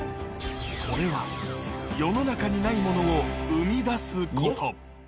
それは、世の中にないものを生み出すこと。